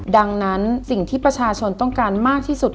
ดังนั้นสิ่งที่ประชาชนต้องการมากที่สุด